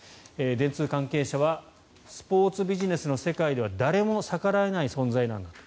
電通関係者はスポーツビジネスの世界では誰も逆らえない存在なんだと。